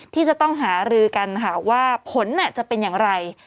ที่จะต้องหารือกันค่ะว่าผลจะเป็นอย่างไร